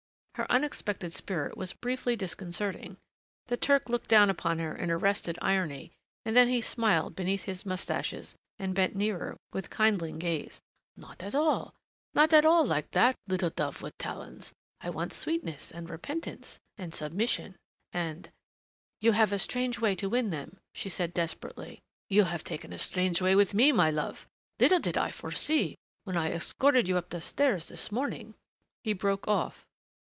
Her unexpected spirit was briefly disconcerting. The Turk looked down upon her in arrested irony and then he smiled beneath his mustaches and bent nearer with kindling gaze. "Not at all nothing at all like that, little dove with talons. I want sweetness and repentance and submission. And " "You have a strange way to win them," she said desperately. "You have taken a strange way with me, my love! Little did I foresee, when I escorted you up the stairs this morning " He broke off.